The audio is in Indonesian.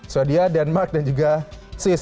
swadia denmark dan juga swiss